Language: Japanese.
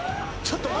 ちょっと！